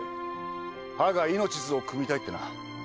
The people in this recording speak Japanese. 「歯が命ズ」を組みたいってな。